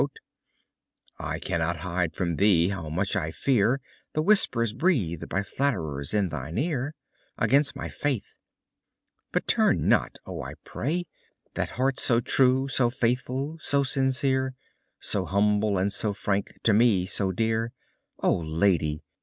I cannot hide from thee how much I fear The whispers breathed by flatterers in thine ear Against my faith. But turn not, oh, I pray! That heart so true, so faithful, so sincere. So humble and so frank, to me so dear. Oh, lady!